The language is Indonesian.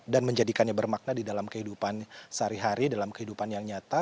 dan menjadikannya bermakna di dalam kehidupan sehari hari dalam kehidupan yang nyata